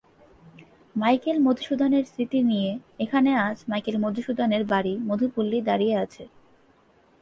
Michael Madhusudan এর স্মৃতি নিয়ে এখানে আজ মাইকেল মধুসূদন এর বাড়ি মধু পল্লী দাঁড়িয়ে আছে।